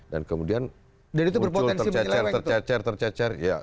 dan kemudian muncul tercecer tercecer